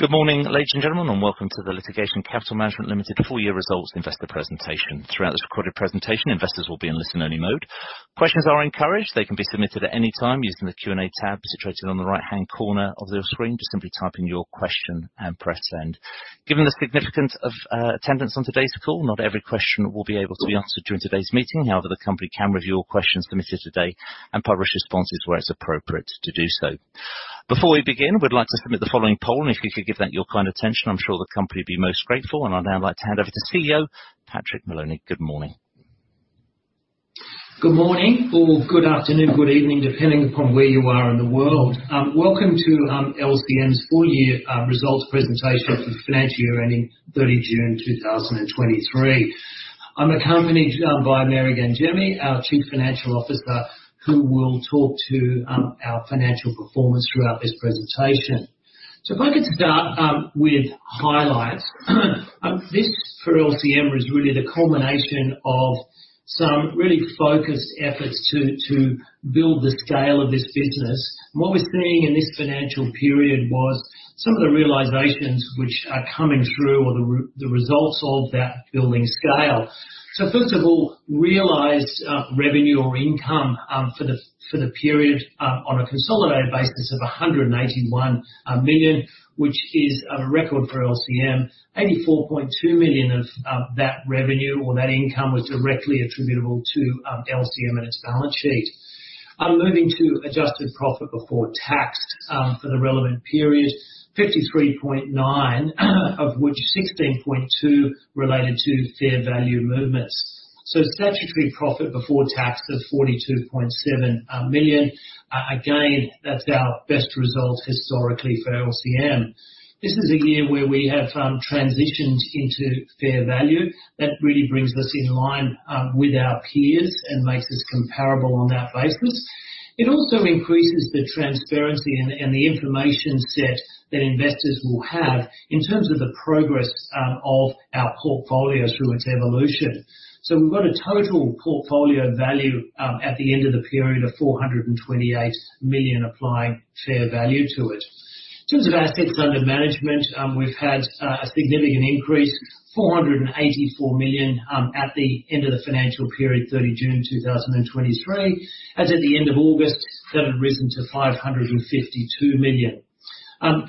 Good morning, ladies and gentlemen, and welcome to the Litigation Capital Management Limited full year results investor presentation. Throughout this recorded presentation, investors will be in listen-only mode. Questions are encouraged. They can be submitted at any time using the Q&A tab situated on the right-hand corner of your screen. Just simply type in your question and press Send. Given the significance of attendance on today's call, not every question will be able to be answered during today's meeting. However, the company can review all questions submitted today and publish responses where it's appropriate to do so. Before we begin, we'd like to submit the following poll, and if you could give that your kind attention, I'm sure the company will be most grateful, and I'd now like to hand over to CEO Patrick Moloney. Good morning. Good morning or good afternoon, good evening, depending upon where you are in the world. Welcome to LCM's full year results presentation for the financial year ending 30 June 2023. I'm accompanied by Mary Gangemi, our Chief Financial Officer, who will talk to our financial performance throughout this presentation. If I could start with highlights. This for LCM is really the culmination of some really focused efforts to build the scale of this business. What we're seeing in this financial period was some of the realizations which are coming through or the results of that building scale. First of all, realized revenue or income for the period on a consolidated basis of 181 million, which is a record for LCM. 84.2 million of that revenue or that income was directly attributable to LCM and its balance sheet. Moving to adjusted profit before tax for the relevant period, 53.9, of which 16.2 related to fair value movements. So statutory profit before tax of 42.7 million, again, that's our best result historically for LCM. This is a year where we have transitioned into fair value. That really brings us in line with our peers and makes us comparable on that basis. It also increases the transparency and the information set that investors will have in terms of the progress of our portfolio through its evolution. So we've got a total portfolio value at the end of the period of 428 million applying fair value to it. In terms of assets under management, we've had a significant increase, $484 million at the end of the financial period, 30 June 2023. As at the end of August, that had risen to $552 million.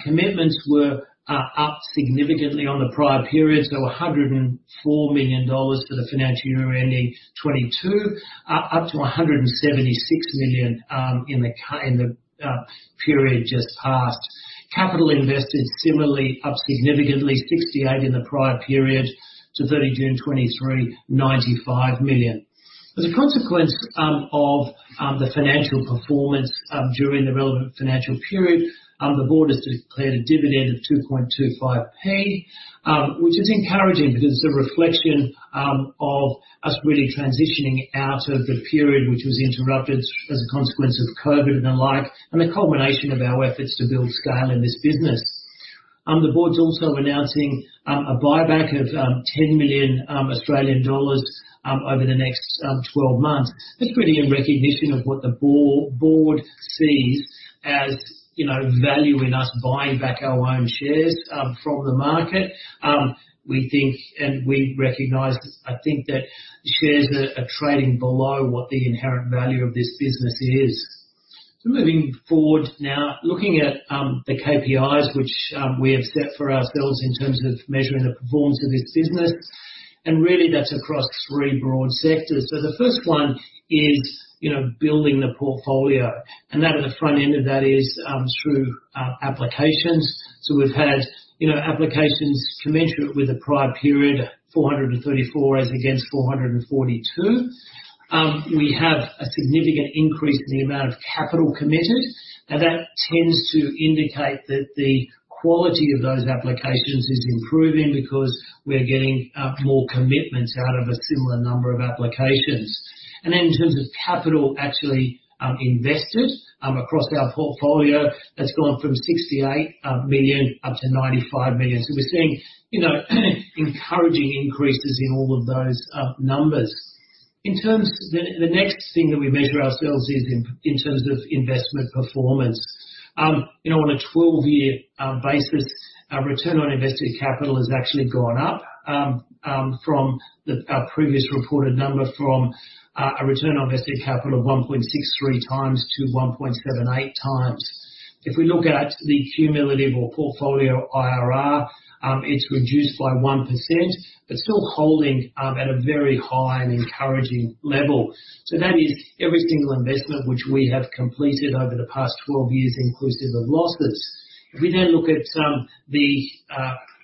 Commitments were up significantly on the prior periods. They were $104 million for the financial year ending 2022, up to $176 million in the period just passed. Capital invested similarly, up significantly, $68 million in the prior period to 30 June 2023, $95 million. As a consequence of the financial performance during the relevant financial period, the board has declared a dividend of 2.25 P, which is encouraging because it's a reflection of us really transitioning out of the period which was interrupted as a consequence of COVID and the like, and the culmination of our efforts to build scale in this business. The board is also announcing a buyback of 10 million Australian dollars over the next 12 months. That's really in recognition of what the board sees as, you know, value in us buying back our own shares from the market. We think, and we recognize, I think, that shares are trading below what the inherent value of this business is. Moving forward now, looking at the KPIs, which we have set for ourselves in terms of measuring the performance of this business, and really, that's across three broad sectors. The first one is, you know, building the portfolio, and that at the front end of that is, you know, through applications. We've had, you know, applications committed with the prior period, 434 as against 442. We have a significant increase in the amount of capital committed, and that tends to indicate that the quality of those applications is improving because we're getting, you know, more commitments out of a similar number of applications. Then in terms of capital actually, you know, invested, you know, across our portfolio, that's gone from 68 million up to 95 million. We're seeing, you know, encouraging increases in all of those numbers. The next thing that we measure ourselves is in terms of investment performance. You know, on a 12-year basis, our Return on Invested Capital has actually gone up from our previous reported number from a Return on Invested Capital of 1.63x to 1.78x. If we look at the cumulative or portfolio IRR, it's reduced by 1%, but still holding at a very high and encouraging level. So that is every single investment which we have completed over the past 12 years, inclusive of losses. If we then look at the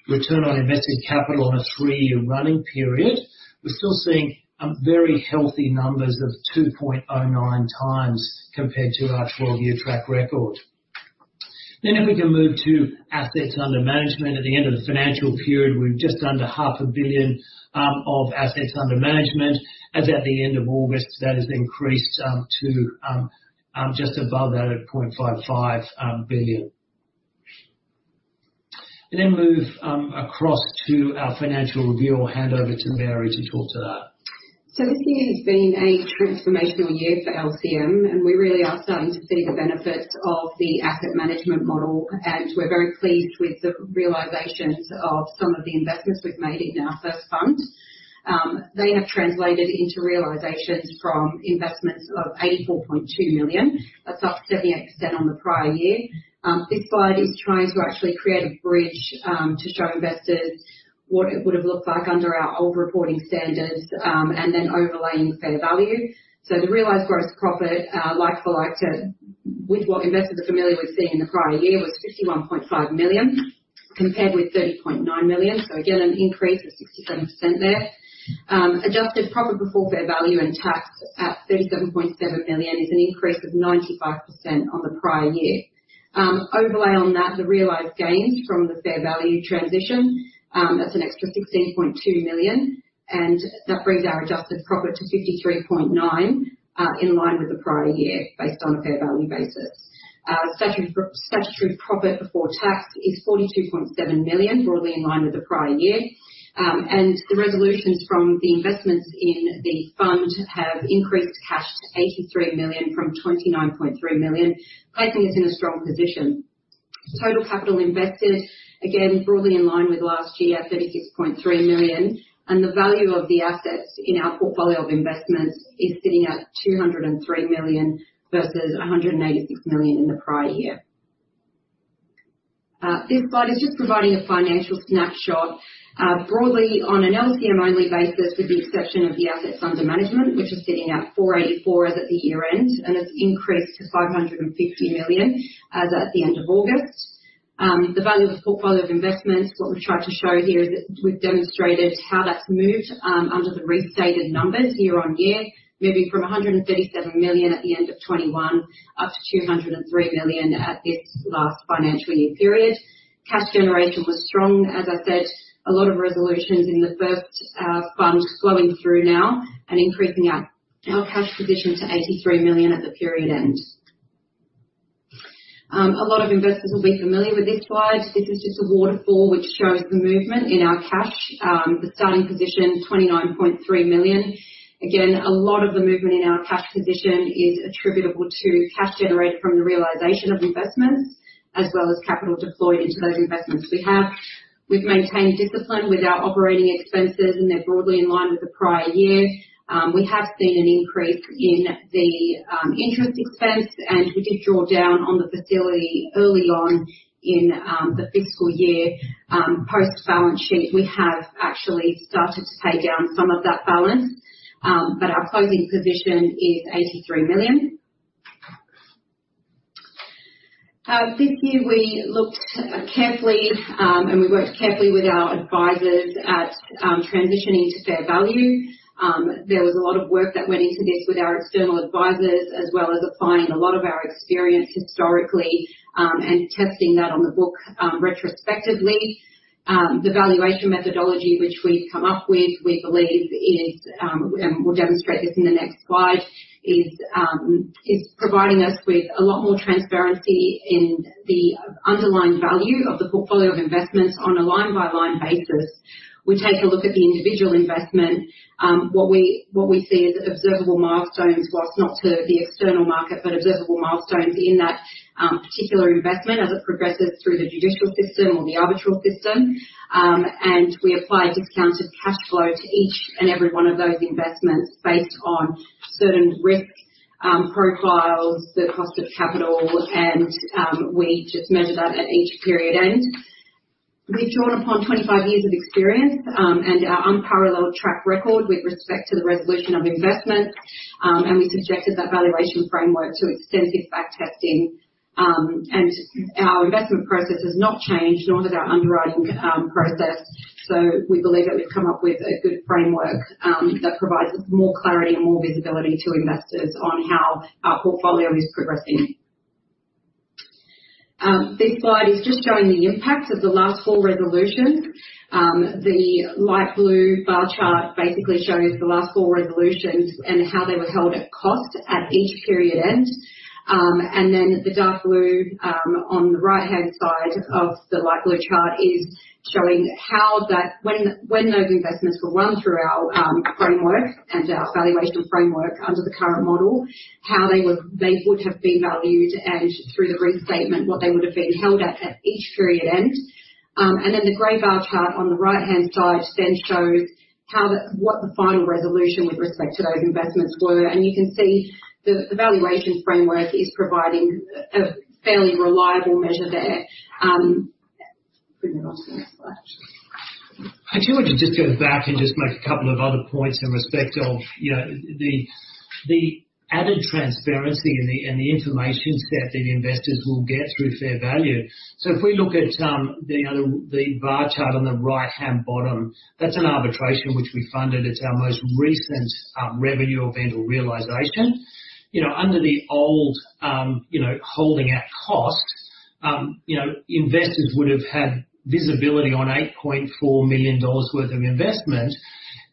Return on Invested Capital on a 3-year running period, we're still seeing very healthy numbers of 2.09x compared to our 12-year track record. Then if we can move to Assets Under Management. At the end of the financial period, we're just under 500 million of assets under management. As at the end of August, that has increased to just above that at 550 million. Move across to our financial review. I'll hand over to Mary to talk to that. This year has been a transformational year for LCM, and we really are starting to see the benefits of the asset management model, and we're very pleased with the realizations of some of the investments we've made in our first fund. They have translated into realizations from investments of 84.2 million. That's up 78% on the prior year. This slide is trying to actually create a bridge to show investors what it would have looked like under our old reporting standards, and then overlaying fair value. The realized gross profit, like for like with what investors are familiar with seeing in the prior year, was 51.5 million, compared with 30.9 million. Again, an increase of 67% there. Adjusted profit before fair value and tax at 37.7 million is an increase of 95% on the prior year. Overlay on that, the realized gains from the fair value transition, that's an extra 16.2 million, and that brings our adjusted profit to 53.9 million, in line with the prior year, based on a fair value basis. Statutory profit before tax is 42.7 million, broadly in line with the prior year. The resolutions from the investments in the fund have increased cash to 83 million from 29.3 million, placing us in a strong position. Total capital invested, again, broadly in line with last year, at 36.3 million, and the value of the assets in our portfolio of investments is sitting at 203 million versus 186 million in the prior year. This slide is just providing a financial snapshot, broadly on an LCM-only basis, with the exception of the assets under management, which is sitting at $484 million as at the year-end, and it's increased to $550 million as at the end of August. The value of the portfolio of investments, what we've tried to show here is that we've demonstrated how that's moved, under the restated numbers year-on-year, moving from 137 million at the end of 2021, up to 203 million at this last financial year period. Cash generation was strong. As I said, a lot of resolutions in the first fund flowing through now and increasing our cash position to 83 million at the period end. A lot of investors will be familiar with this slide. This is just a waterfall which shows the movement in our cash. The starting position, 29.3 million. Again, a lot of the movement in our cash position is attributable to cash generated from the realization of investments as well as capital deployed into those investments. We've maintained discipline with our operating expenses, and they're broadly in line with the prior year. We have seen an increase in the interest expense, and we did draw down on the facility early on in the fiscal year. Post-balance sheet, we have actually started to pay down some of that balance, but our closing position is 83 million. This year we looked carefully, and we worked carefully with our advisors at, transitioning to Fair Value. There was a lot of work that went into this with our external advisors, as well as applying a lot of our experience historically, and testing that on the book, retrospectively. The valuation methodology, which we've come up with, we believe is, and we'll demonstrate this in the next slide, is, is providing us with a lot more transparency in the underlying value of the portfolio of investments on a line-by-line basis. We take a look at the individual investment. What we see is observable milestones, while not to the external market, but observable milestones in that particular investment as it progresses through the judicial system or the arbitral system. We apply discounted cash flow to each and every one of those investments based on certain risk profiles, the cost of capital, and we just measure that at each period end. We've drawn upon 25 years of experience and our unparalleled track record with respect to the resolution of investment, and we subjected that valuation framework to extensive fact-testing. Our investment process has not changed, nor has our underwriting process, so we believe that we've come up with a good framework that provides more clarity and more visibility to investors on how our portfolio is progressing. This slide is just showing the impact of the last four resolutions. The light blue bar chart basically shows the last four resolutions and how they were held at cost at each period end. And then the dark blue, on the right-hand side of the light blue chart is showing how that... When those investments were run through our framework and our valuation framework under the current model, how they would have been valued, and through the restatement, what they would have been held at, at each period end. And then the gray bar chart on the right-hand side then shows how the-- what the final resolution with respect to those investments were. And you can see the valuation framework is providing a fairly reliable measure there. Put it on the next slide. I'd actually like to just go back and just make a couple of other points in respect of, you know, the added transparency and the information set that investors will get through fair value. So if we look at the bar chart on the right-hand bottom, that's an arbitration which we funded. It's our most recent revenue event or realization. You know, under the old holding at cost, you know, investors would have had visibility on $8.4 million worth of investment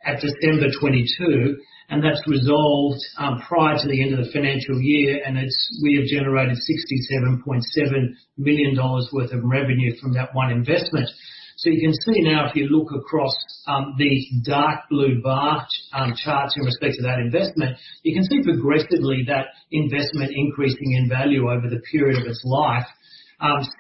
at December 2022, and that's resolved prior to the end of the financial year, and it's we have generated $67.7 million worth of revenue from that one investment. So you can see now, if you look across, the dark blue bar charts in respect to that investment, you can see progressively that investment increasing in value over the period of its life,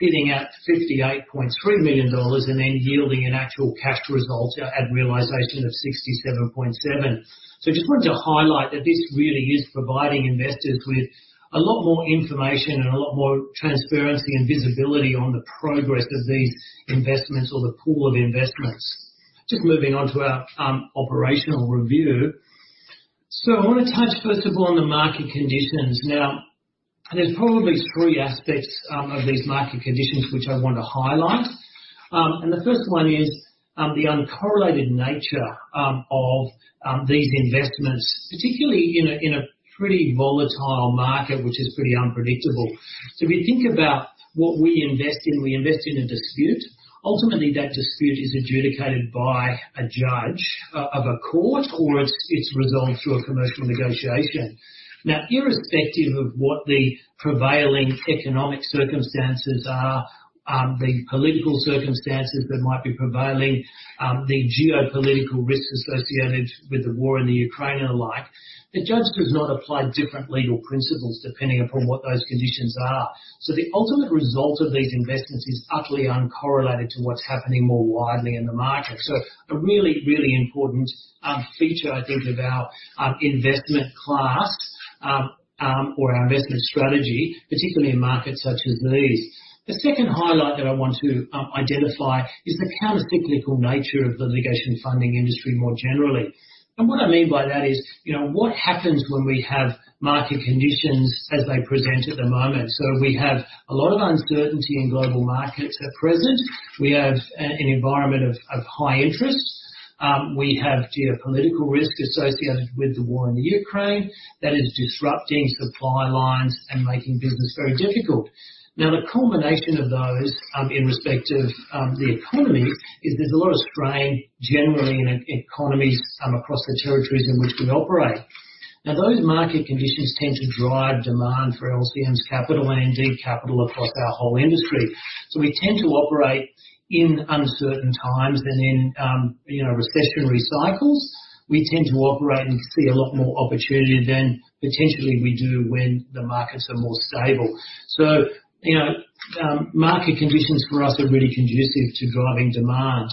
sitting at $58.3 million and then yielding an actual cash result at realization of $67.7 million. So just wanted to highlight that this really is providing investors with a lot more information and a lot more transparency and visibility on the progress of these investments or the pool of investments. Just moving on to our operational review. So I want to touch first of all, on the market conditions. Now, there's probably three aspects of these market conditions which I want to highlight. And the first one is, the uncorrelated nature of these investments, particularly in a pretty volatile market, which is pretty unpredictable. So if you think about what we invest in, we invest in a dispute. Ultimately, that dispute is adjudicated by a judge of a court, or it's resolved through a commercial negotiation. Now, irrespective of what the prevailing economic circumstances are, the political circumstances that might be prevailing, the geopolitical risks associated with the war in the Ukraine and the like, the judge does not apply different legal principles depending upon what those conditions are. So the ultimate result of these investments is utterly uncorrelated to what's happening more widely in the market. So a really, really important feature, I think, of our investment class or our investment strategy, particularly in markets such as these. The second highlight that I want to identify is the countercyclical nature of the litigation funding industry more generally. What I mean by that is, you know, what happens when we have market conditions as they present at the moment? We have a lot of uncertainty in global markets at present. We have an environment of high interest. We have geopolitical risk associated with the war in Ukraine that is disrupting supply lines and making business very difficult. Now, the culmination of those in respect of the economy is there's a lot of strain generally in economies across the territories in which we operate. Now, those market conditions tend to drive demand for LCM's capital and indeed capital across our whole industry. We tend to operate in uncertain times and in, you know, recessionary cycles. We tend to operate and see a lot more opportunity than potentially we do when the markets are more stable. So, you know, market conditions for us are really conducive to driving demand.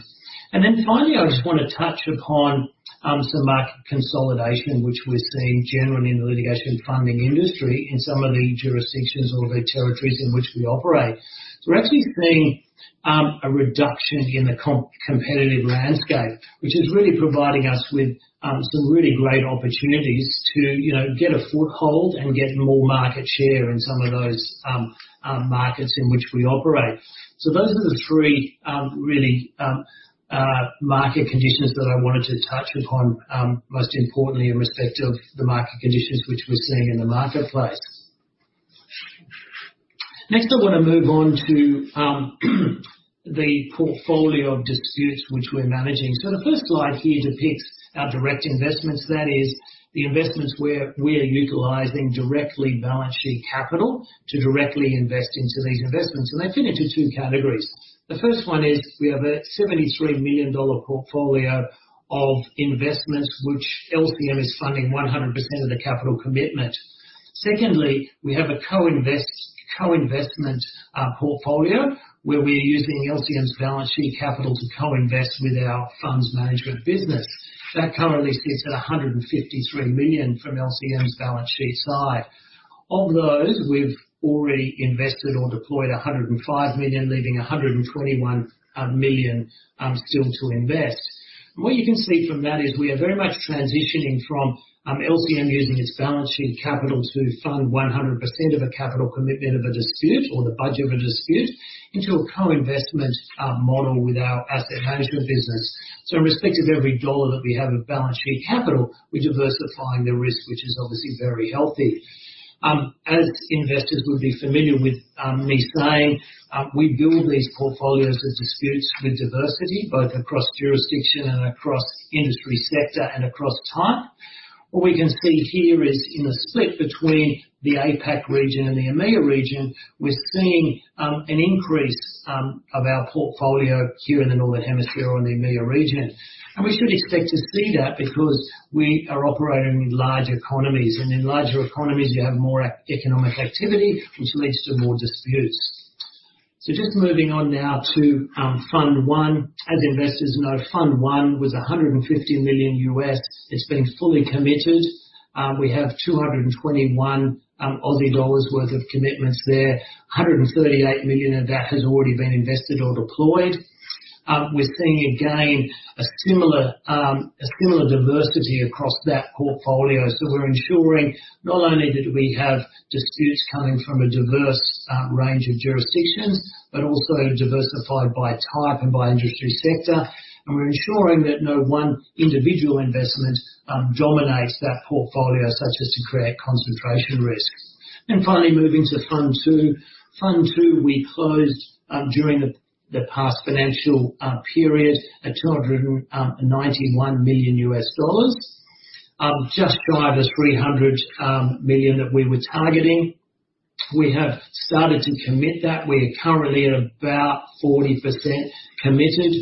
And then finally, I just want to touch upon some market consolidation, which we're seeing generally in the litigation funding industry in some of the jurisdictions or the territories in which we operate. We're actually seeing a reduction in the competitive landscape, which is really providing us with some really great opportunities to, you know, get a foothold and get more market share in some of those markets in which we operate. So those are the three, really, market conditions that I wanted to touch upon, most importantly in respect of the market conditions which we're seeing in the marketplace. Next, I want to move on to the portfolio of disputes which we're managing. So the first slide here depicts our direct investments. That is, the investments where we are utilizing directly balance sheet capital to directly invest into these investments, and they fit into two categories. The first one is we have a $73 million portfolio of investments, which LCM is funding 100% of the capital commitment. Secondly, we have a co-investment portfolio, where we are using LCM's balance sheet capital to co-invest with our funds management business. That currently sits at $153 million from LCM's balance sheet side. Of those, we've already invested or deployed $105 million, leaving $121 million still to invest. What you can see from that is we are very much transitioning from LCM using its balance sheet capital to fund 100% of the capital commitment of a dispute or the budget of a dispute, into a co-investment model with our asset management business. So in respect of every dollar that we have of balance sheet capital, we're diversifying the risk, which is obviously very healthy. As investors would be familiar with me saying, we build these portfolios of disputes with diversity, both across jurisdiction and across industry sector and across time. What we can see here is in the split between the APAC region and the EMEA region, we're seeing an increase of our portfolio here in the Northern Hemisphere or in the EMEA region. We should expect to see that because we are operating in large economies, and in larger economies, you have more economic activity, which leads to more disputes. Just moving on now to Fund I. As investors know, Fund I was $150 million. It's been fully committed. We have 221 million Aussie dollars worth of commitments there. 138 million of that has already been invested or deployed. We're seeing again, a similar, a similar diversity across that portfolio. We're ensuring not only that we have disputes coming from a diverse range of jurisdictions, but also diversified by type and by industry sector. We're ensuring that no one individual investment dominates that portfolio, such as to create concentration risk. Finally, moving to Fund II. Fund Two, we closed during the past financial period at $291 million, just shy of the $300 million that we were targeting. We have started to commit that. We are currently at about 40% committed.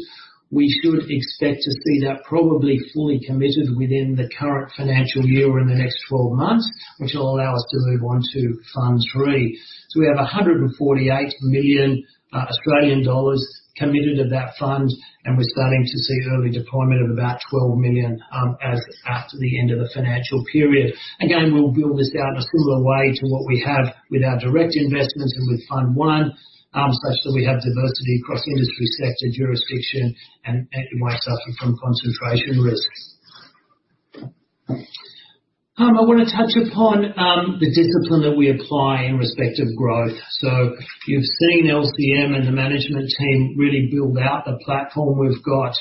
We should expect to see that probably fully committed within the current financial year or in the next 12 months, which will allow us to move on to Fund Three. So we have 148 million Australian dollars committed to that fund, and we're starting to see early deployment of about 12 million as at the end of the financial period. Again, we'll build this out in a similar way to what we have with our direct investments and with Fund One, such that we have diversity across industry sector, jurisdiction, and it wipes out from concentration risks. I want to touch upon the discipline that we apply in respect of growth. So you've seen LCM and the management team really build out the platform we've got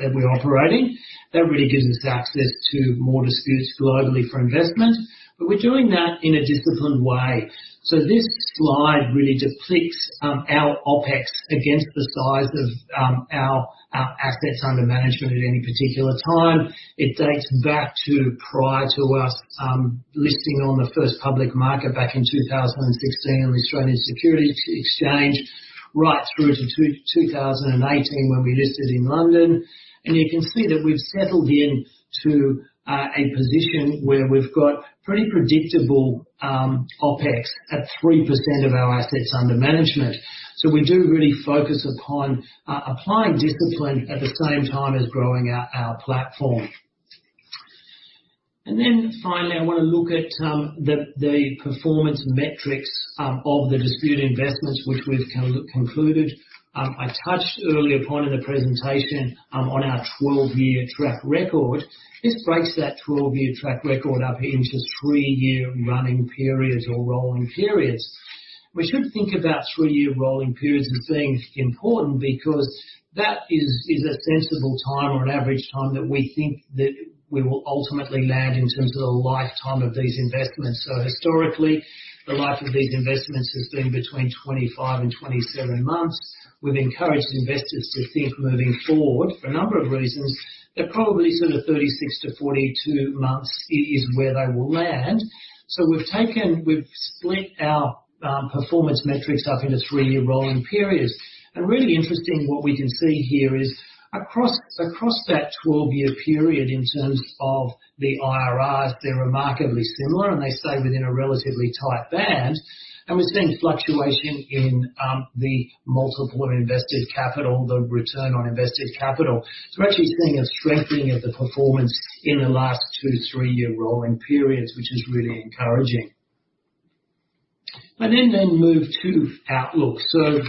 that we're operating. That really gives us access to more disputes globally for investment, but we're doing that in a disciplined way. So this slide really depicts our OpEx against the size of our assets under management at any particular time. It dates back to prior to us listing on the first public market back in 2016 on the Australian Securities Exchange, right through to 2018, when we listed in London. You can see that we've settled in to a position where we've got pretty predictable OpEx at 3% of our assets under management. We do really focus upon applying discipline at the same time as growing our platform. Then finally, I want to look at the performance metrics of the dispute investments, which we've concluded. I touched earlier upon in the presentation on our 12-year track record. This breaks that 12-year track record up into 3-year running periods or rolling periods. We should think about three-year rolling periods as being important, because that is a sensible time or an average time that we think that we will ultimately land in terms of the lifetime of these investments. Historically, the life of these investments has been between 25 and 27 months. We've encouraged investors to think moving forward, for a number of reasons, that probably sort of 36-42 months is where they will land. We've split our performance metrics up into three-year rolling periods. Really interesting, what we can see here is across that 12-year period, in terms of the IRRs, they're remarkably similar, and they stay within a relatively tight band. We're seeing fluctuation in the multiple invested capital, the Return on Invested Capital. So we're actually seeing a strengthening of the performance in the last 2- to 3-year rolling periods, which is really encouraging. I then move to outlook. So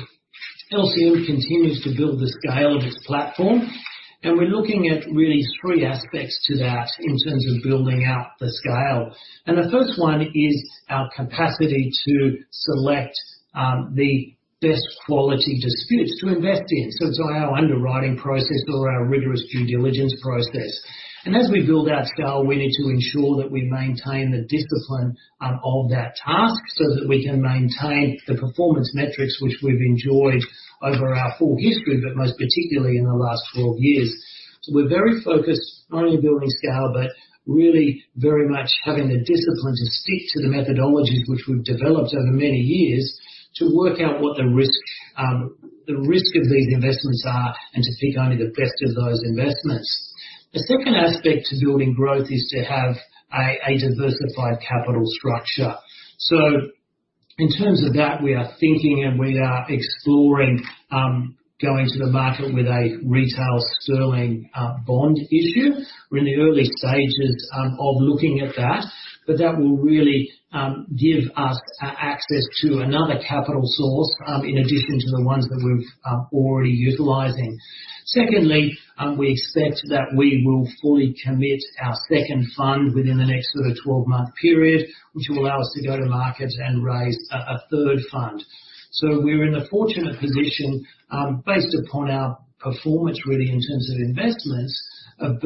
LCM continues to build the scale of its platform, and we're looking at really three aspects to that in terms of building out the scale. And the first one is our capacity to select the best quality disputes to invest in, so it's our underwriting process or our rigorous due diligence process. And as we build our scale, we need to ensure that we maintain the discipline of that task, so that we can maintain the performance metrics which we've enjoyed over our full history, but most particularly in the last 12 years. We're very focused, not only building scale, but really very much having the discipline to stick to the methodologies which we've developed over many years, to work out what the risk, the risk of these investments are, and to seek only the best of those investments. The second aspect to building growth is to have a diversified capital structure. In terms of that, we are thinking and we are exploring going to the market with a retail Sterling bond issue. We're in the early stages of looking at that, but that will really give us access to another capital source, in addition to the ones that we're already utilizing. Secondly, we expect that we will fully commit our second fund within the next sort of 12-month period, which will allow us to go to market and raise a third fund. So we're in a fortunate position, based upon our performance, really in terms of investments, of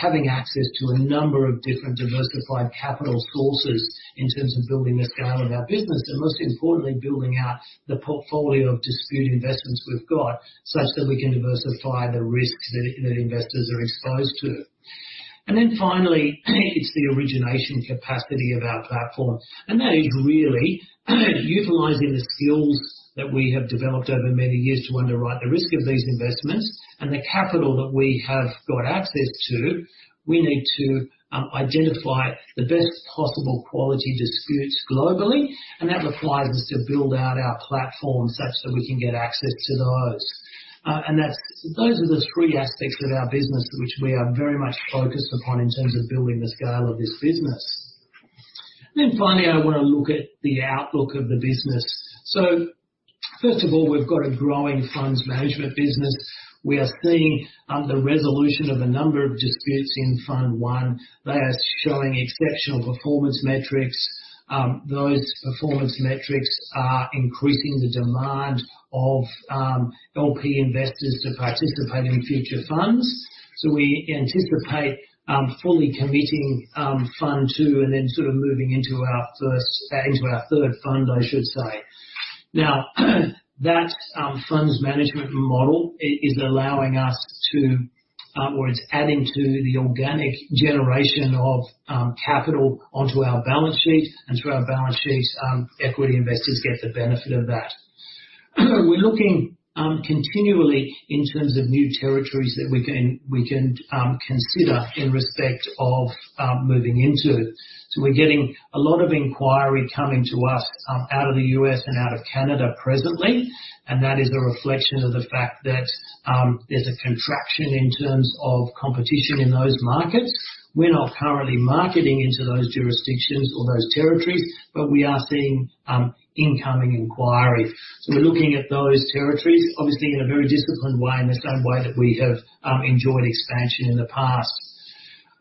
having access to a number of different diversified capital sources in terms of building the scale of our business, and most importantly, building out the portfolio of dispute investments we've got, such that we can diversify the risks that investors are exposed to. And then finally, it's the origination capacity of our platform, and that is really utilizing the skills that we have developed over many years to underwrite the risk of these investments and the capital that we have got access to. We need to identify the best possible quality disputes globally, and that requires us to build out our platform such that we can get access to those. Those are the three aspects of our business which we are very much focused upon in terms of building the scale of this business. Then finally, I want to look at the outlook of the business. So first of all, we've got a growing funds management business. We are seeing the resolution of a number of disputes in Fund One. They are showing exceptional performance metrics. Those performance metrics are increasing the demand of LP investors to participate in future funds. So we anticipate fully committing Fund Two, and then sort of moving into our third fund, I should say... Now, that funds management model is allowing us to, or it's adding to the organic generation of capital onto our balance sheet, and through our balance sheet, equity investors get the benefit of that. We're looking continually in terms of new territories that we can consider in respect of moving into. So we're getting a lot of inquiry coming to us out of the U.S. and out of Canada presently, and that is a reflection of the fact that there's a contraction in terms of competition in those markets. We're not currently marketing into those jurisdictions or those territories, but we are seeing incoming inquiry. So we're looking at those territories, obviously, in a very disciplined way, and the same way that we have enjoyed expansion in the past.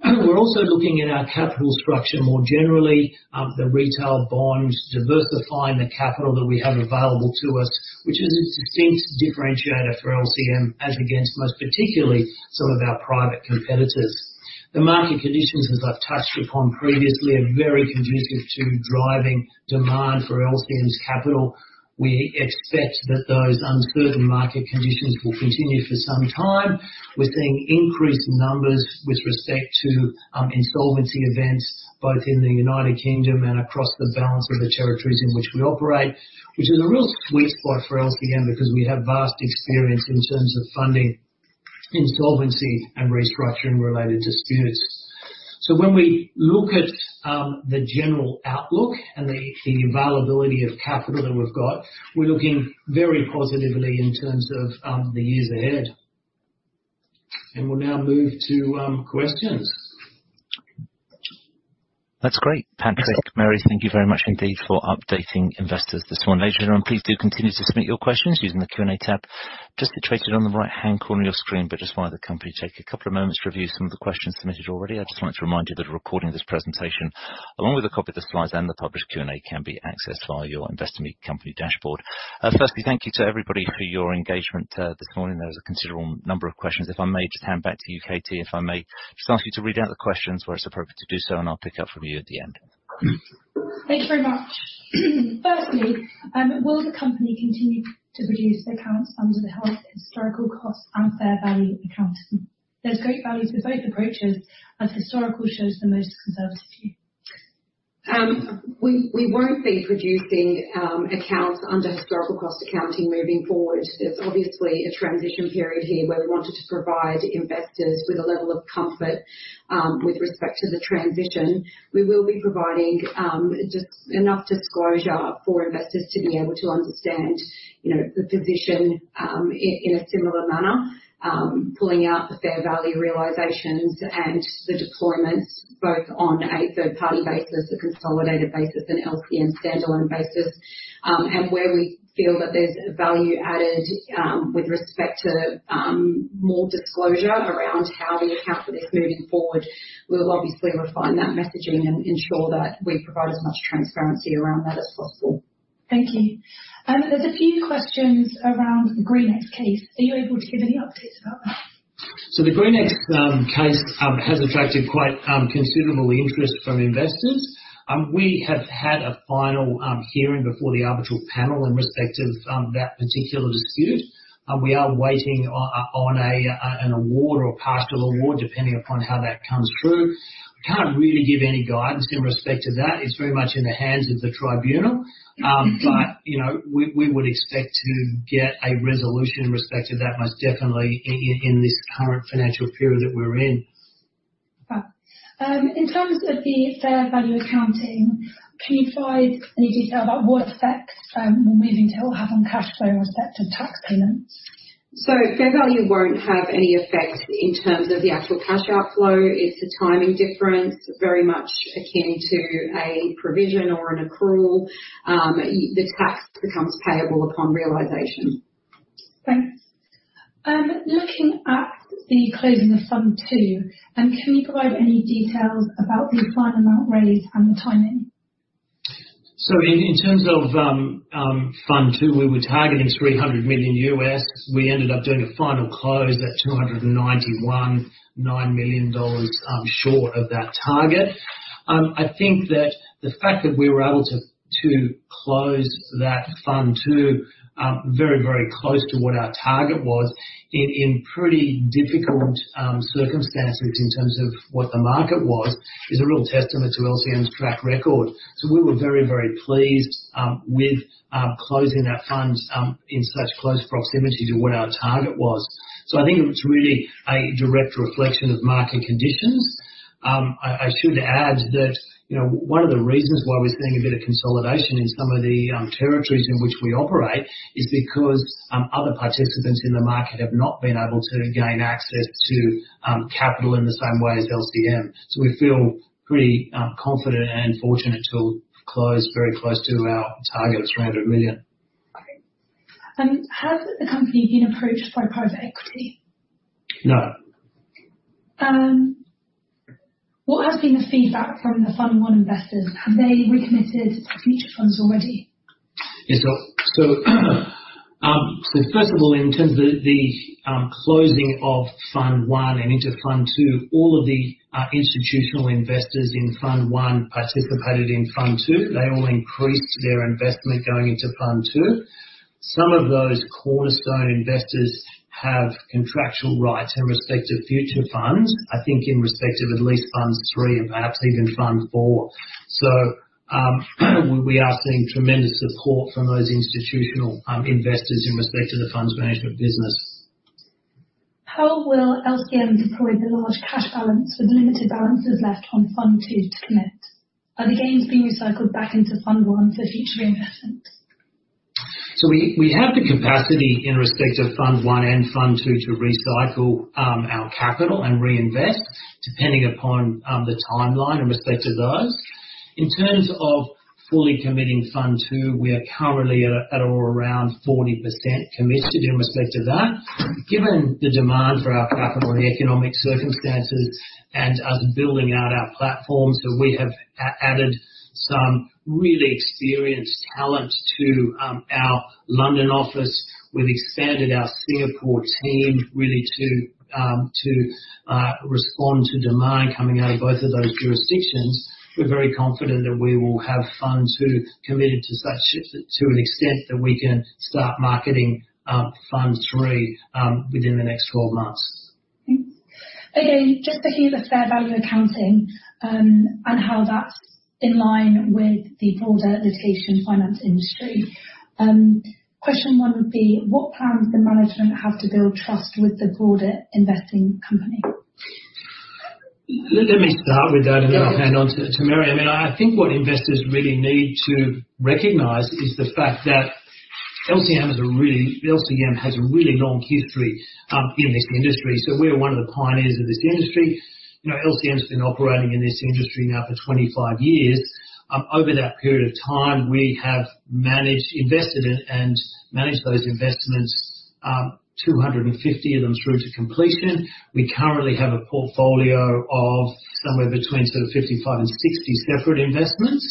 We're also looking at our capital structure more generally, the retail bonds, diversifying the capital that we have available to us, which is a distinct differentiator for LCM against most particularly some of our private competitors. The market conditions, as I've touched upon previously, are very conducive to driving demand for LCM's capital. We expect that those uncertain market conditions will continue for some time. We're seeing increased numbers with respect to insolvency events, both in the United Kingdom and across the balance of the territories in which we operate. Which is a real sweet spot for LCM because we have vast experience in terms of funding insolvency and restructuring related disputes. So when we look at the general outlook and the availability of capital that we've got, we're looking very positively in terms of the years ahead. And we'll now move to questions. That's great, Patrick. Mary, thank you very much indeed for updating investors this morning. Everyone, please do continue to submit your questions using the Q&A tab just situated on the right-hand corner of your screen. But just while the company take a couple of moments to review some of the questions submitted already, I just wanted to remind you that a recording of this presentation, along with a copy of the slides and the published Q&A, can be accessed via your Investor Meet Company dashboard. Firstly, thank you to everybody for your engagement this morning. There was a considerable number of questions. If I may just hand back to you, Katie, if I may just ask you to read out the questions where it's appropriate to do so, and I'll pick up from you at the end. Thank you very much. Firstly, will the company continue to produce accounts under the historical cost and fair value accounting? There's great value to both approaches, and historical shows the most conservative view. We won't be producing accounts under Historical cost accounting moving forward. There's obviously a transition period here where we wanted to provide investors with a level of comfort with respect to the transition. We will be providing just enough disclosure for investors to be able to understand, you know, the position in a similar manner, pulling out the Fair value realizations and the deployments both on a third-party basis, a consolidated basis, an LCM standalone basis, and where we feel that there's value added with respect to more disclosure around how we account for this moving forward, we'll obviously refine that messaging and ensure that we provide as much transparency around that as possible. Thank you. There's a few questions around the GreenX case. Are you able to give any updates about that? So the GreenX case has attracted quite considerable interest from investors. We have had a final hearing before the arbitral panel in respect of that particular dispute. We are waiting on an award or a partial award, depending upon how that comes through. I can't really give any guidance in respect to that. It's very much in the hands of the tribunal. But, you know, we would expect to get a resolution in respect to that most definitely in this current financial period that we're in. In terms of the fair value accounting, can you provide any detail about what effect moving to will have on cash flow in respect of tax payments? Fair value won't have any effect in terms of the actual cash outflow. It's a timing difference, very much akin to a provision or an accrual. The tax becomes payable upon realization. Thanks. Looking at the closing of Fund II, can you provide any details about the final amount raised and the timing? So in terms of Fund 2, we were targeting $300 million. We ended up doing a final close at $291.9 million, short of that target. I think that the fact that we were able to close that Fund 2 very, very close to what our target was in pretty difficult circumstances in terms of what the market was is a real testament to LCM's track record. So we were very, very pleased with closing our funds in such close proximity to what our target was. So I think it was really a direct reflection of market conditions. I should add that, you know, one of the reasons why we're seeing a bit of consolidation in some of the territories in which we operate is because other participants in the market have not been able to gain access to capital in the same way as LCM. So we feel pretty confident and fortunate to close very close to our target of $300 million. Okay. Has the company been approached by private equity? No. What has been the feedback from the Fund I investors? Have they recommitted to future funds already? Yes, so first of all, in terms of the closing of Fund One and into Fund Two, all of the institutional investors in Fund One participated in Fund Two. They all increased their investment going into Fund Two. Some of those cornerstone investors have contractual rights in respect to future funds, I think in respect of at least Funds Three and perhaps even Fund Four. So, we are seeing tremendous support from those institutional investors in respect of the funds management business. How will LCM deploy the large cash balance with limited balances left on Fund Two to commit? Are the gains being recycled back into Fund One for future investments? We have the capacity in respect to Fund I and Fund II to recycle our capital and reinvest, depending upon the timeline in respect to those. In terms of fully committing Fund II, we are currently at around 40% committed in respect to that. Given the demand for our capital and the economic circumstances and us building out our platforms, we have added some really experienced talent to our London office. We've expanded our Singapore team really to respond to demand coming out of both of those jurisdictions. We're very confident that we will have Fund II committed to such an extent that we can start marketing Fund III within the next 12 months. Thanks. Again, just looking at the fair value accounting, and how that's in line with the broader litigation finance industry. Question one would be: What plans does management have to build trust with the broader investing company? Let me start with that, and then I'll hand on to Mary. I mean, I think what investors really need to recognize is the fact that LCM is a really... LCM has a really long history in this industry. So we're one of the pioneers of this industry. You know, LCM's been operating in this industry now for 25 years. Over that period of time, we have managed, invested and managed those investments, 250 of them through to completion. We currently have a portfolio of somewhere between sort of 55 and 60 separate investments.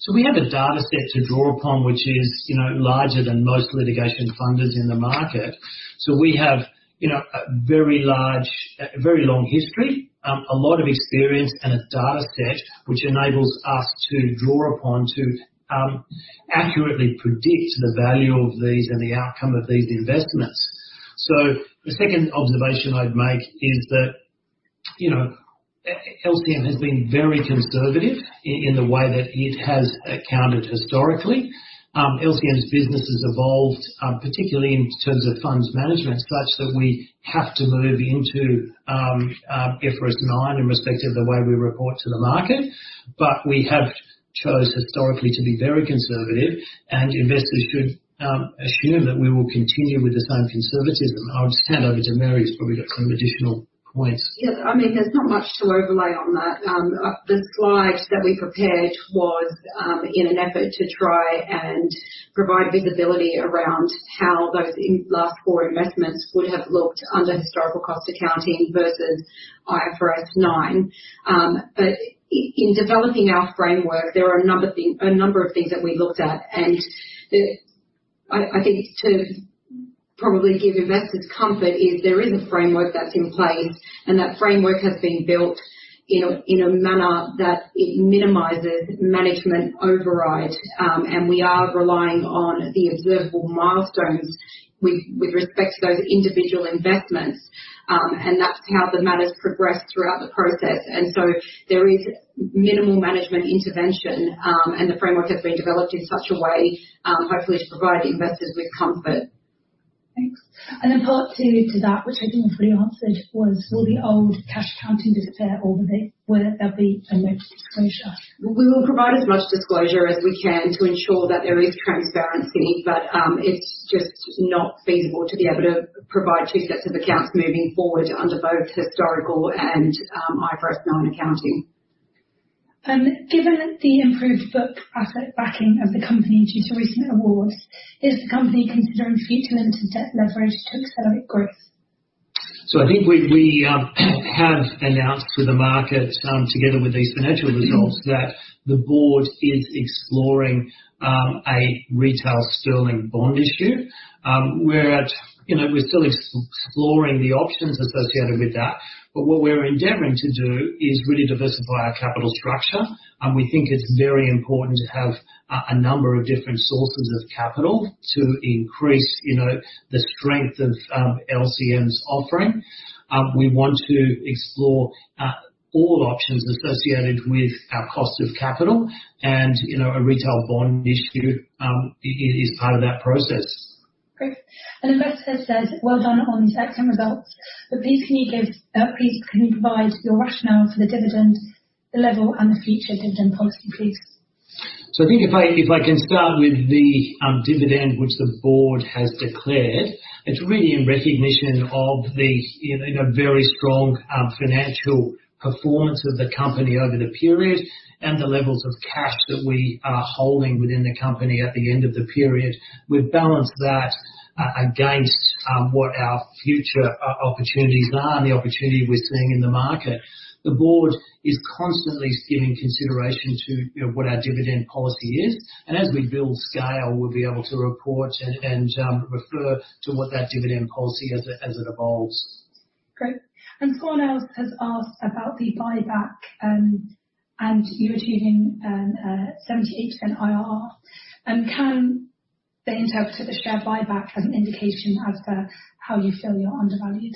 So we have a data set to draw upon, which is, you know, larger than most litigation funders in the market. So we have, you know, a very large, a very long history, a lot of experience, and a data set, which enables us to draw upon to, accurately predict the value of these and the outcome of these investments. So the second observation I'd make is that, you know, LCM has been very conservative in the way that it has accounted historically. LCM's business has evolved, particularly in terms of funds management, such that we have to move into, IFRS 9 in respect of the way we report to the market. But we have chose historically to be very conservative, and investors should, assume that we will continue with the same conservatism. I'll just hand over to Mary, who's probably got some additional points. Yeah. I mean, there's not much to overlay on that. The slide that we prepared was in an effort to try and provide visibility around how those last four investments would have looked under historical cost accounting versus IFRS 9. I-in developing our framework, there are a number of things that we looked at, and the... I think to probably give investors comfort is there is a framework that's in play, and that framework has been built in a manner that it minimizes management override. We are relying on the observable milestones with respect to those individual investments, and that's how the matter's progressed throughout the process. There is minimal management intervention, and the framework has been developed in such a way, hopefully to provide investors with comfort. Thanks. And then part two to that, which I think you've already answered, was: Will the old cash accounting disappear, or will there, whether there'll be a note disclosure? We will provide as much disclosure as we can to ensure that there is transparency, but, it's just not feasible to be able to provide two sets of accounts moving forward under both historical and, IFRS 9 accounting. Given the improved book asset backing of the company due to recent awards, is the company considering future limited debt leverage to accelerate growth? So I think we have announced to the market, together with these financial results, that the board is exploring a retail Sterling bond issue. You know, we're still exploring the options associated with that, but what we're endeavoring to do is really diversify our capital structure, and we think it's very important to have a number of different sources of capital to increase, you know, the strength of LCM's offering. We want to explore all options associated with our cost of capital, and, you know, a retail bond issue is part of that process. Great. An investor says, "Well done on the excellent results, but please, can you give, please can you provide your rationale for the dividend, the level, and the future dividend policy, please? So I think if I, if I can start with the dividend, which the board has declared, it's really in recognition of the, you know, very strong financial performance of the company over the period and the levels of cash that we are holding within the company at the end of the period. We've balanced that against what our future opportunities are and the opportunity we're seeing in the market. The board is constantly giving consideration to, you know, what our dividend policy is, and as we build scale, we'll be able to report and refer to what that dividend policy as it evolves.... Great. And someone else has asked about the buyback, and you were achieving a 78% IRR. Can they interpret the share buyback as an indication as to how you feel you're undervalued?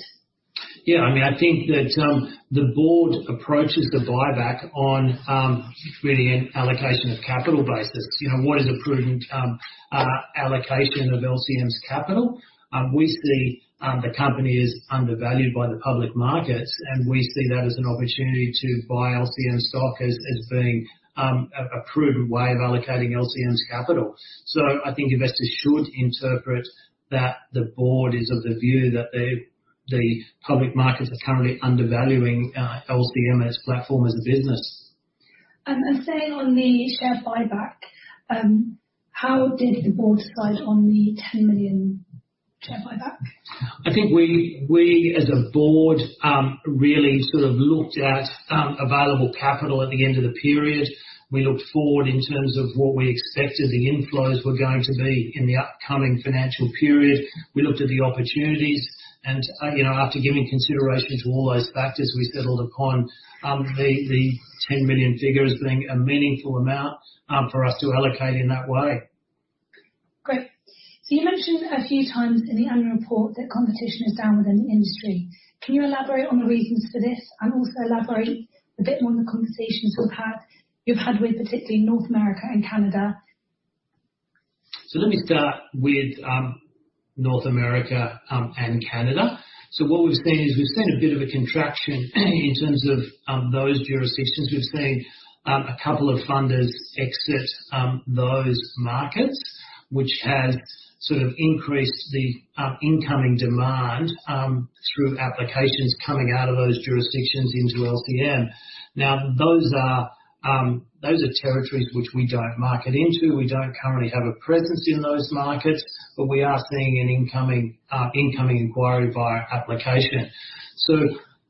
Yeah, I mean, I think that, the board approaches the buyback on, really an allocation of capital basis. You know, what is a prudent, allocation of LCM's capital? We see, the company is undervalued by the public markets, and we see that as an opportunity to buy LCM stock as, as being, a, a prudent way of allocating LCM's capital. So I think investors should interpret that the board is of the view that the, the public markets are currently undervaluing, LCM as a platform, as a business. Staying on the share buyback, how did the board decide on the 10 million share buyback? I think we as a board really sort of looked at available capital at the end of the period. We looked forward in terms of what we expected the inflows were going to be in the upcoming financial period. We looked at the opportunities, and you know, after giving consideration to all those factors, we settled upon the 10 million figure as being a meaningful amount for us to allocate in that way. Great. So you mentioned a few times in the annual report that competition is down within the industry. Can you elaborate on the reasons for this, and also elaborate a bit more on the conversations you've had with particularly North America and Canada? So let me start with North America and Canada. So what we've seen is we've seen a bit of a contraction in terms of those jurisdictions. We've seen a couple of funders exit those markets, which has sort of increased the incoming demand through applications coming out of those jurisdictions into LCM. Now, those are territories which we don't market into. We don't currently have a presence in those markets, but we are seeing an incoming inquiry via application. So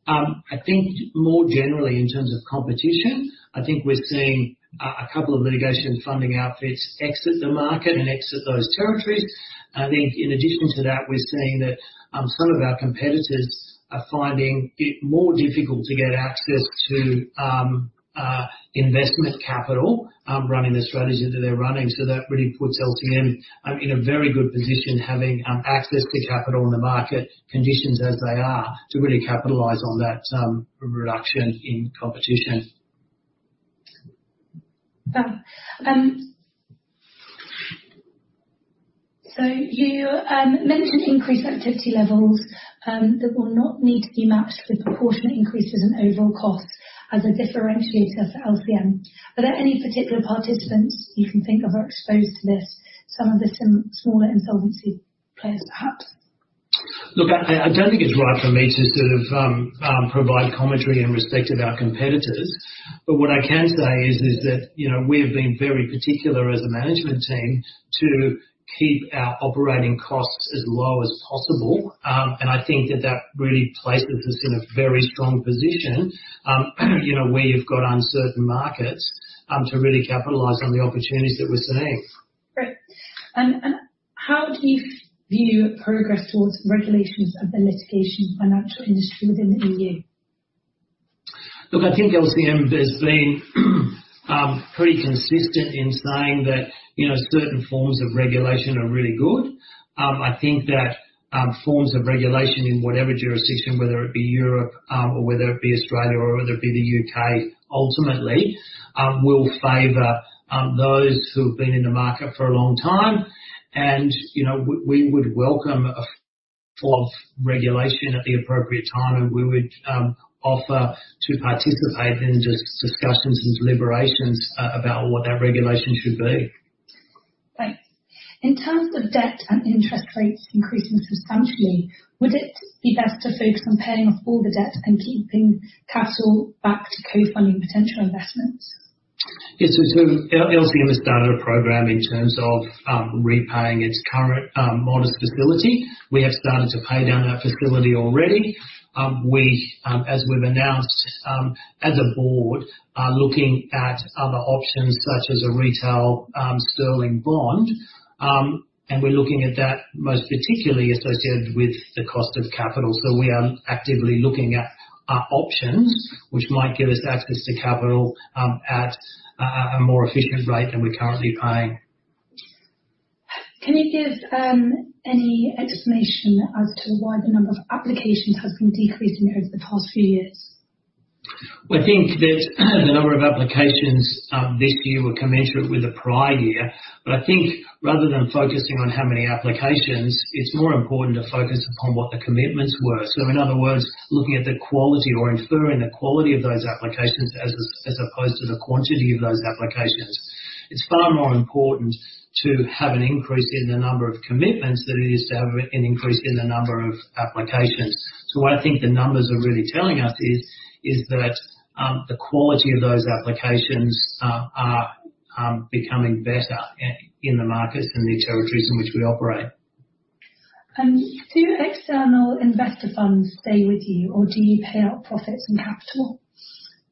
I think more generally, in terms of competition, I think we're seeing a couple of litigation funding outfits exit the market and exit those territories. I think in addition to that, we're seeing that some of our competitors are finding it more difficult to get access to investment capital running the strategy that they're running. So that really puts LCM in a very good position, having access to capital in the market conditions as they are, to really capitalize on that reduction in competition. So you mentioned increased activity levels that will not need to be matched with proportionate increases in overall costs as a differentiator for LCM. Are there any particular participants you can think of are exposed to this? Some of the smaller insolvency players, perhaps. Look, I don't think it's right for me to sort of provide commentary in respect of our competitors, but what I can say is that, you know, we have been very particular as a management team to keep our operating costs as low as possible. And I think that that really places us in a very strong position, you know, where you've got uncertain markets to really capitalize on the opportunities that we're seeing. Great. And how do you view progress towards regulations of the litigation finance industry within the EU? Look, I think LCM has been pretty consistent in saying that, you know, certain forms of regulation are really good. I think that forms of regulation in whatever jurisdiction, whether it be Europe, or whether it be Australia, or whether it be the U.K., ultimately will favor those who have been in the market for a long time. And, you know, we would welcome a form of regulation at the appropriate time, and we would offer to participate in discussions and deliberations about what that regulation should be. Thanks. In terms of debt and interest rates increasing substantially, would it be best to focus on paying off all the debt and keeping capital back to co-funding potential investments? Yes, so LCM has started a program in terms of repaying its current modest facility. We have started to pay down that facility already. We, as we've announced, as a board, are looking at other options such as a retail Sterling bond, and we're looking at that most particularly associated with the cost of capital. So we are actively looking at options which might give us access to capital at a more efficient rate than we're currently paying. Can you give any estimation as to why the number of applications has been decreasing over the past few years? Well, I think that the number of applications this year were commensurate with the prior year. But I think rather than focusing on how many applications, it's more important to focus upon what the commitments were. So in other words, looking at the quality or inferring the quality of those applications as opposed to the quantity of those applications. It's far more important to have an increase in the number of commitments than it is to have an increase in the number of applications. So what I think the numbers are really telling us is that the quality of those applications are becoming better in the markets and the territories in which we operate. Do external investor funds stay with you, or do you pay out profits and capital? ...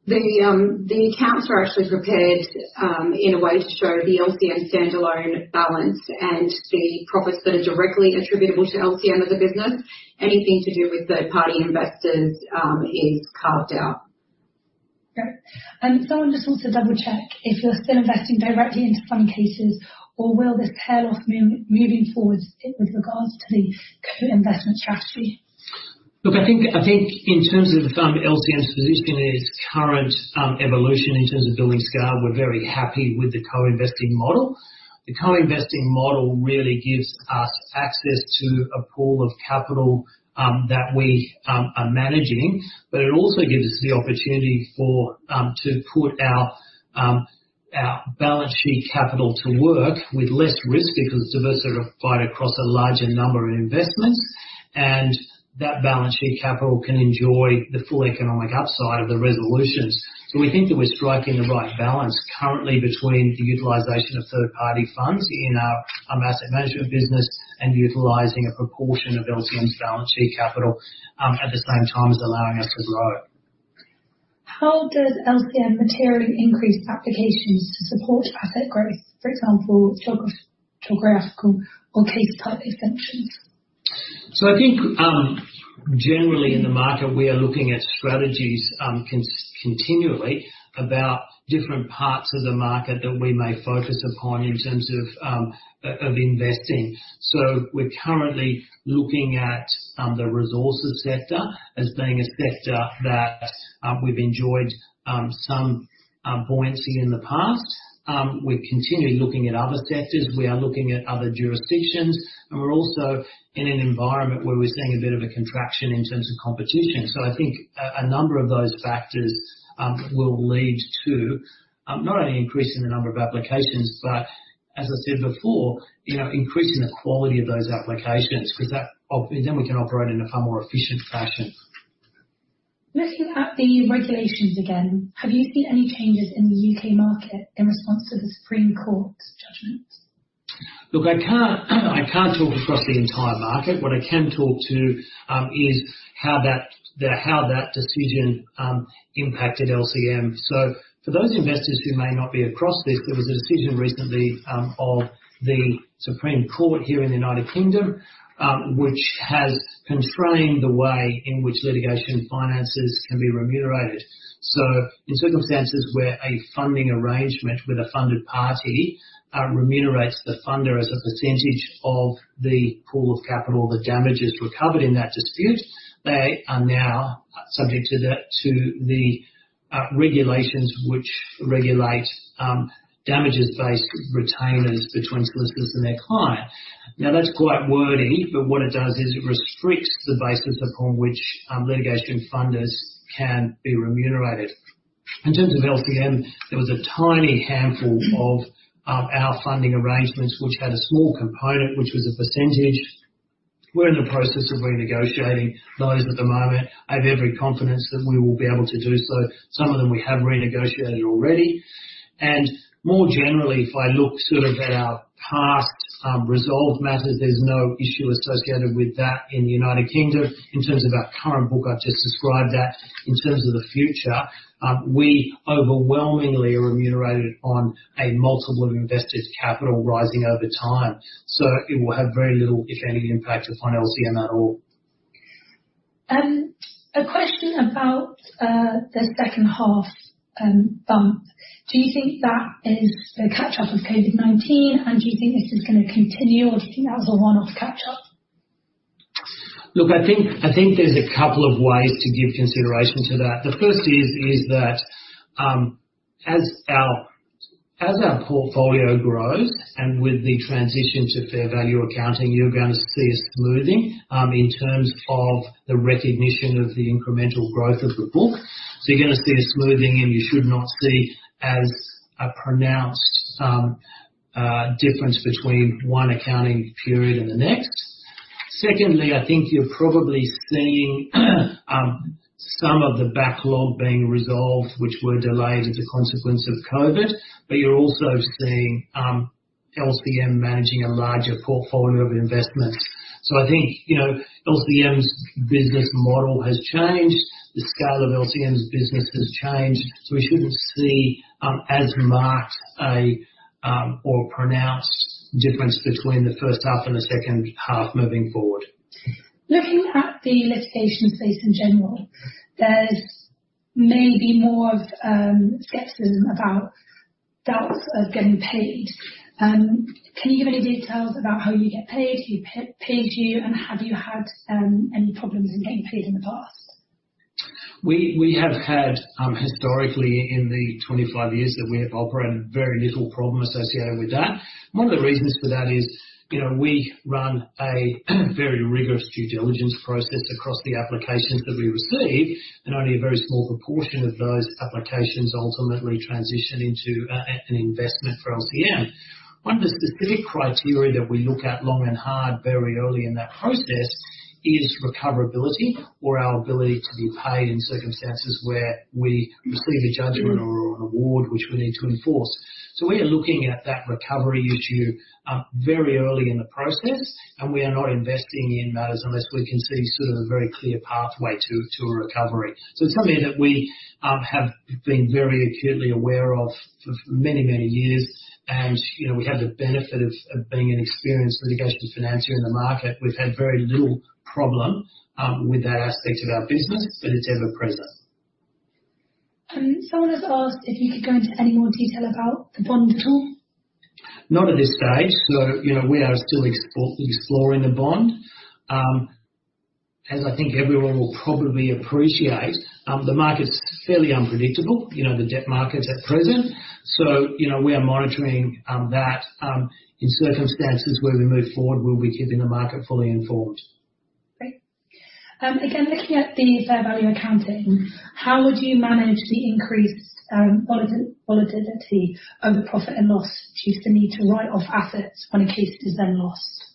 The accounts are actually prepared in a way to show the LCM standalone balance and the profits that are directly attributable to LCM as a business. Anything to do with third-party investors is carved out. Great. And so I just want to double-check if you're still investing directly into funding cases or will this tail off move, moving forward with regards to the co-investment strategy? Look, I think in terms of the firm LCM's position in its current evolution, in terms of building scale, we're very happy with the co-investing model. The co-investing model really gives us access to a pool of capital that we are managing, but it also gives us the opportunity to put our balance sheet capital to work with less risk because it's diversified across a larger number of investments, and that balance sheet capital can enjoy the full economic upside of the resolutions. So we think that we're striking the right balance currently between the utilization of third-party funds in our asset management business and utilizing a proportion of LCM's balance sheet capital at the same time as allowing us to grow. How does LCM materially increase applications to support asset growth, for example, geographical or case type extensions? So I think, generally in the market, we are looking at strategies, continually about different parts of the market that we may focus upon in terms of, of investing. So we're currently looking at, the resources sector as being a sector that, we've enjoyed, some buoyancy in the past. We're continually looking at other sectors. We are looking at other jurisdictions, and we're also in an environment where we're seeing a bit of a contraction in terms of competition. So I think a number of those factors, will lead to, not only increasing the number of applications, but as I said before, you know, increasing the quality of those applications, because that... Oh, then we can operate in a far more efficient fashion. Looking at the regulations again, have you seen any changes in the U.K. market in response to the Supreme Court's judgments? Look, I can't, I can't talk across the entire market. What I can talk to is how that decision impacted LCM. So for those investors who may not be across this, there was a decision recently of the Supreme Court here in the United Kingdom, which has constrained the way in which litigation finances can be remunerated. So in circumstances where a funding arrangement with a funded party remunerates the funder as a percentage of the pool of capital, the damages recovered in that dispute, they are now subject to the regulations which regulate damages-based retainers between solicitors and their client. Now, that's quite wordy, but what it does is it restricts the basis upon which litigation funders can be remunerated. In terms of LCM, there was a tiny handful of our funding arrangements, which had a small component, which was a percentage. We're in the process of renegotiating those at the moment. I have every confidence that we will be able to do so. Some of them, we have renegotiated already. And more generally, if I look sort of at our past resolved matters, there's no issue associated with that in the United Kingdom. In terms of our current book, I've just described that. In terms of the future, we overwhelmingly are remunerated on a multiple of investors' capital rising over time, so it will have very little, if any, impact upon LCM at all. A question about the second half bump. Do you think that is the catch-up of COVID-19, and do you think this is gonna continue, or do you think that was a one-off catch-up? Look, I think there's a couple of ways to give consideration to that. The first is that as our portfolio grows and with the transition to fair value accounting, you're going to see a smoothing in terms of the recognition of the incremental growth of the book. You're going to see a smoothing, and you should not see as pronounced a difference between one accounting period and the next. Secondly, I think you're probably seeing some of the backlog being resolved, which were delayed as a consequence of COVID, but you're also seeing LCM managing a larger portfolio of investments. I think LCM's business model has changed. The scale of LCM's business has changed, so we shouldn't see as marked or pronounced a difference between the first half and the second half moving forward. Looking at the litigation space in general, there's maybe more of, skepticism about doubts of getting paid. Can you give any details about how you get paid, who pays you, and have you had any problems in getting paid in the past? We have had, historically, in the 25 years that we have operated, very little problem associated with that. One of the reasons for that is, you know, we run a very rigorous due diligence process across the applications that we receive, and only a very small proportion of those applications ultimately transition into an investment for LCM. One of the specific criteria that we look at long and hard, very early in that process is recoverability or our ability to be paid in circumstances where we receive a judgment or an award, which we need to enforce. So we are looking at that recovery issue very early in the process, and we are not investing in matters unless we can see sort of a very clear pathway to a recovery. It's something that we have been very acutely aware of for many, many years, and, you know, we have the benefit of being an experienced litigation financier in the market. We've had very little problem with that aspect of our business, but it's ever present.... Someone has asked if you could go into any more detail about the bond at all? Not at this stage. So, you know, we are still exploring the bond. As I think everyone will probably appreciate, the market's fairly unpredictable, you know, the debt markets at present. So, you know, we are monitoring that, in circumstances where we move forward, we'll be keeping the market fully informed. Great. Again, looking at the fair value accounting, how would you manage the increased volatility of profit and loss due to the need to write off assets when a case is then lost?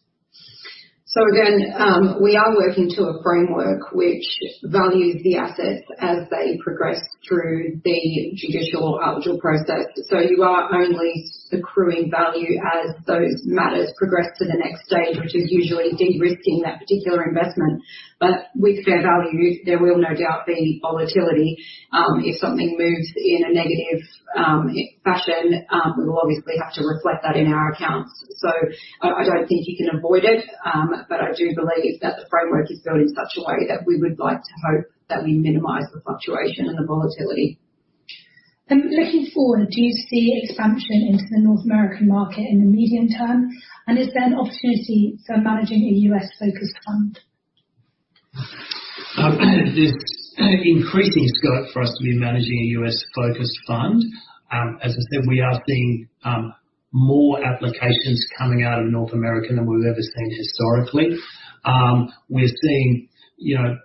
So again, we are working to a framework which values the assets as they progress through the judicial or judicial process. So you are only accruing value as those matters progress to the next stage, which is usually de-risking that particular investment. But with Fair Value, there will no doubt be volatility. If something moves in a negative fashion, we will obviously have to reflect that in our accounts. So I, I don't think you can avoid it, but I do believe that the framework is built in such a way that we would like to hope that we minimize the fluctuation and the volatility. Looking forward, do you see expansion into the North American market in the medium term? Is there an opportunity for managing a U.S.-focused fund? There's increasing scope for us to be managing a U.S.-focused fund. As I said, we are seeing more applications coming out of North America than we've ever seen historically. We're seeing, you know,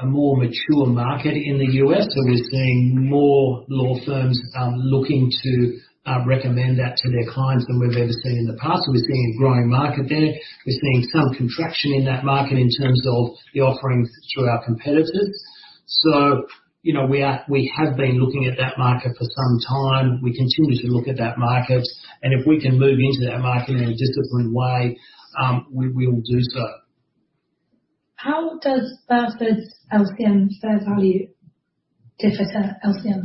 a more mature market in the U.S., so we're seeing more law firms looking to recommend that to their clients than we've ever seen in the past. We're seeing a growing market there. We're seeing some contraction in that market in terms of the offerings through our competitors. You know, we are... We have been looking at that market for some time. We continue to look at that market, and if we can move into that market in a disciplined way, we will do so. How does Burford's LCM fair value differ to LCM?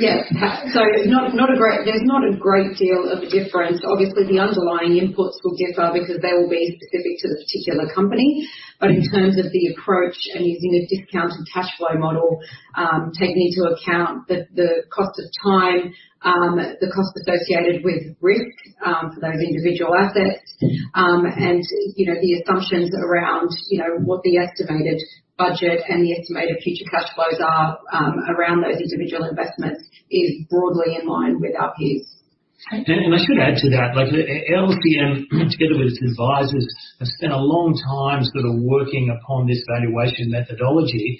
Yeah. So there's not a great deal of difference. Obviously, the underlying inputs will differ because they will be specific to the particular company. But in terms of the approach and using a discounted cash flow model, taking into account the cost of time, the cost associated with risk, for those individual assets, and, you know, the assumptions around, you know, what the estimated budget and the estimated future cash flows are, around those individual investments is broadly in line with our peers. Thank you. I should add to that, like, LCM, together with its advisors, have spent a long time sort of working upon this valuation methodology.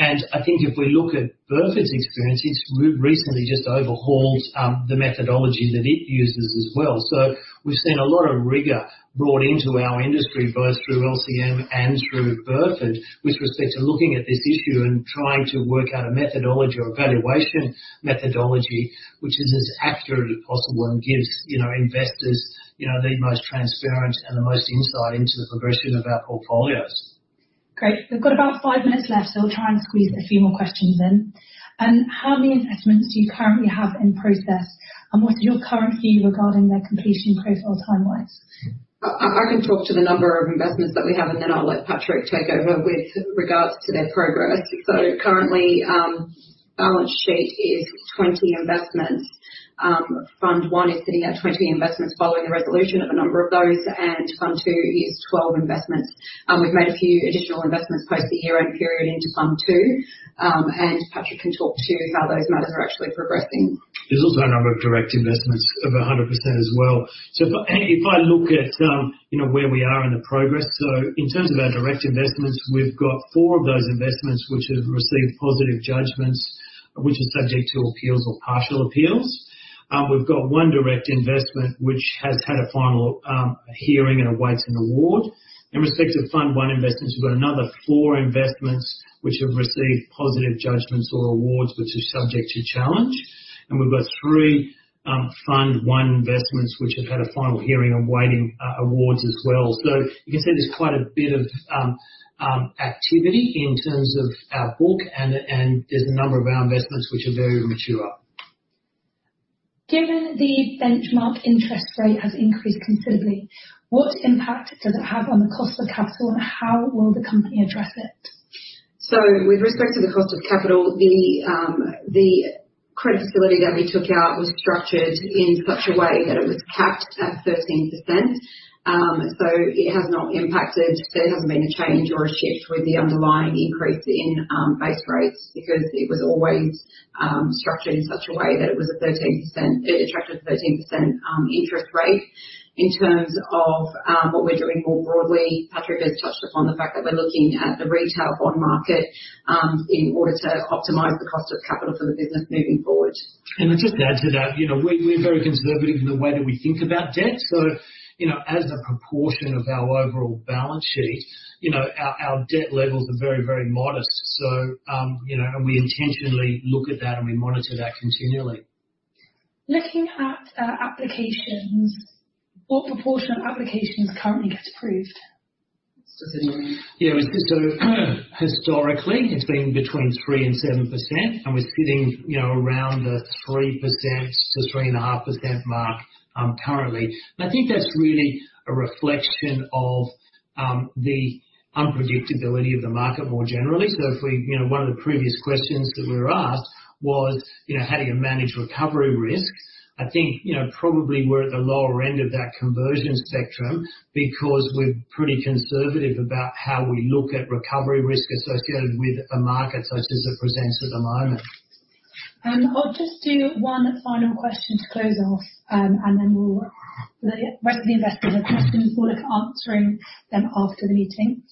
And I think if we look at Burford's experience, it's recently just overhauled the methodology that it uses as well. So we've seen a lot of rigor brought into our industry, both through LCM and through Burford, with respect to looking at this issue and trying to work out a methodology or valuation methodology which is as accurate as possible and gives, you know, investors, you know, the most transparent and the most insight into the progression of our portfolios. Great. We've got about five minutes left, so I'll try and squeeze a few more questions in. How many investments do you currently have in process, and what's your current view regarding their completion profile time-wise? I can talk to the number of investments that we have, and then I'll let Patrick take over with regards to their progress. Currently, balance sheet is 20 investments. Fund one is sitting at 20 investments following the resolution of a number of those, and fund two is 12 investments. We've made a few additional investments post the year-end period into fund two. And Patrick can talk to how those matters are actually progressing. There's also a number of direct investments of 100% as well. So if I look at, you know, where we are in the progress, so in terms of our direct investments, we've got four of those investments which have received positive judgments, which are subject to appeals or partial appeals. We've got one direct investment, which has had a final hearing and awaits an award. In respect to Fund I investments, we've got another four investments which have received positive judgments or awards which are subject to challenge. And we've got three Fund I investments, which have had a final hearing and awaiting awards as well. So you can see there's quite a bit of activity in terms of our book, and there's a number of our investments which are very mature. Given the benchmark interest rate has increased considerably, what impact does it have on the cost of capital, and how will the company address it? So with respect to the cost of capital, the credit facility that we took out was structured in such a way that it was capped at 13%. So it has not impacted. There hasn't been a change or a shift with the underlying increase in base rates because it was always structured in such a way that it was a 13%... It attracted a 13% interest rate. In terms of what we're doing more broadly, Patrick has touched upon the fact that we're looking at the retail bond market in order to optimize the cost of capital for the business moving forward. Just to add to that, you know, we're very conservative in the way that we think about debt. So, you know, as a proportion of our overall balance sheet, you know, our debt levels are very, very modest. So, you know, and we intentionally look at that, and we monitor that continually. Looking at applications, what proportion of applications currently get approved?... Yeah, so historically, it's been between 3% and 7%, and we're sitting, you know, around the 3%-3.5% mark, currently. And I think that's really a reflection of the unpredictability of the market more generally. You know, one of the previous questions that we were asked was, you know, how do you manage recovery risk? I think, you know, probably we're at the lower end of that conversion spectrum because we're pretty conservative about how we look at recovery risk associated with a market such as it presents at the moment. I'll just do one final question to close off, and then we'll let the investors have questions, we'll look at answering them after the meeting.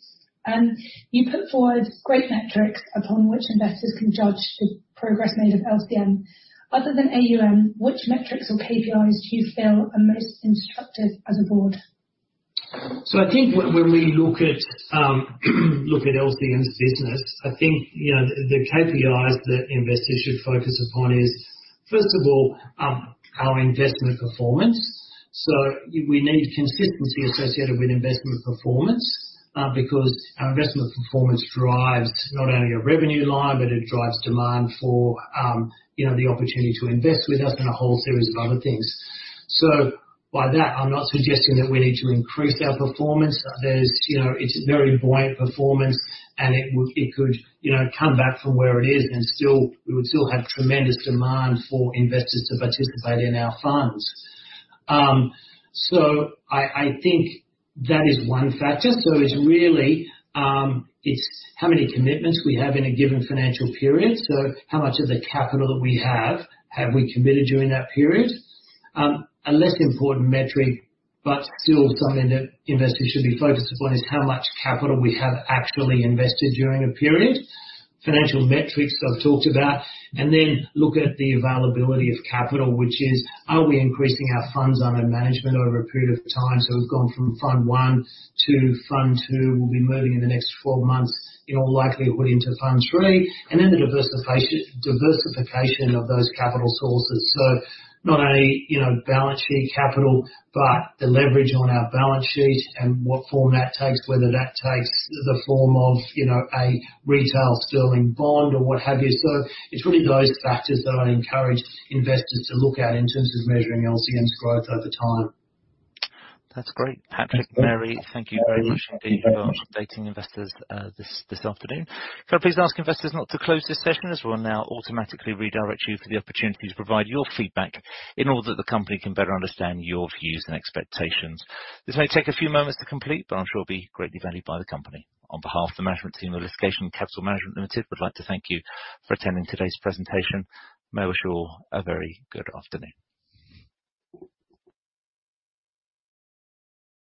You put forward great metrics upon which investors can judge the progress made of LCM. Other than AUM, which metrics or KPIs do you feel are most instructive as a board? So I think when we look at LCM's business, I think, you know, the KPIs that investors should focus upon is, first of all, our investment performance. So we need consistency associated with investment performance, because our investment performance drives not only a revenue line, but it drives demand for, you know, the opportunity to invest with us and a whole series of other things. So by that, I'm not suggesting that we need to increase our performance. There's, you know, it's very buoyant performance, and it could, you know, come back from where it is and still, we would still have tremendous demand for investors to participate in our funds. So I think that is one factor. So it's really, it's how many commitments we have in a given financial period. So how much of the capital that we have, have we committed during that period? A less important metric, but still something that investors should be focused upon, is how much capital we have actually invested during a period. Financial metrics I've talked about, and then look at the availability of capital, which is, are we increasing our funds under management over a period of time? So we've gone from fund one to fund two. We'll be moving in the next 12 months, in all likelihood, into fund three, and then the diversification of those capital sources. So not only, you know, balance sheet capital, but the leverage on our balance sheet and what form that takes, whether that takes the form of, you know, a retail sterling bond or what have you. So it's really those factors that I encourage investors to look at in terms of measuring LCM's growth over time. That's great. Patrick, Mary, thank you very much indeed for updating investors this afternoon. Can I please ask investors not to close this session, as we'll now automatically redirect you to the opportunity to provide your feedback in order that the company can better understand your views and expectations. This may take a few moments to complete, but I'm sure it'll be greatly valued by the company. On behalf of the management team of Litigation Capital Management Limited, we'd like to thank you for attending today's presentation. May I wish you all a very good afternoon.